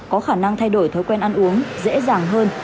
có khả năng thay đổi thói quen ăn uống dễ dàng hơn